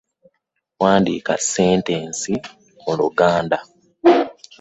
Wandiika sentensi mu luganda.